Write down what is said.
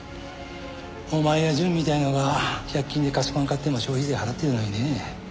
お前や淳みたいなのが１００均で菓子パン買っても消費税払ってるのにね。